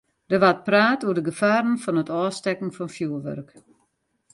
Der waard praat oer de gefaren fan it ôfstekken fan fjurwurk.